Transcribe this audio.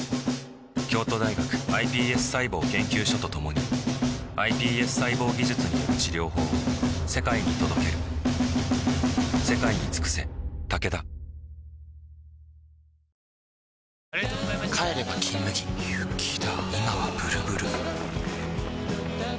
京都大学ｉＰＳ細胞研究所と共にｉＰＳ細胞技術による治療法を世界に届ける雪だ